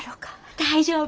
大丈夫。